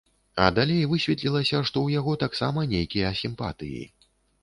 А далей высветлілася, што ў яго таксама нейкія сімпатыі.